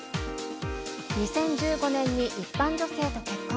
２０１５年に一般女性と結婚。